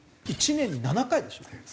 １年に７回でしょ？